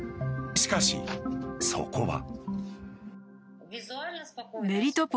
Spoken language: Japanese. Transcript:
しかし、そこは。